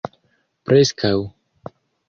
preskaŭ